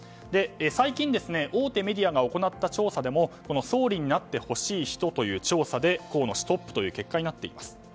最近、大手メディアが行った調査でも総理になってほしい人という調査で河野氏がトップという結果になっています。